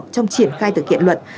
trong triển khai thực hiện luật